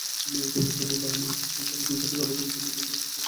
ভবিষ্যতে সবাই বাহিনীর নিজস্ব শৃঙ্খলার বিষয়টি ভালোভাবে জেনে নেবে এবং চর্চা করবে।